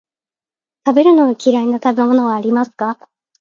食べるのを嫌いな食べ物はありますか。